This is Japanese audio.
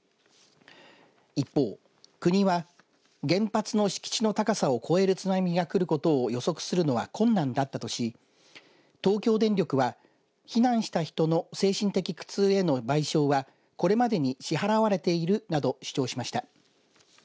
一方、国は原発の敷地の高さを超える津波がくることを予測するのは困難だったとし東京電力は避難した人への精神的苦痛への賠償はこれまでに支払われているなどと主張しました。